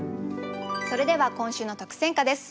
それでは今週の特選歌です。